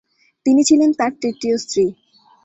তিনি ছিলেন তার তৃতীয় স্ত্রী।